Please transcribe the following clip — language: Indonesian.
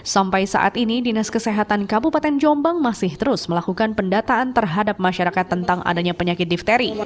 sampai saat ini dinas kesehatan kabupaten jombang masih terus melakukan pendataan terhadap masyarakat tentang adanya penyakit difteri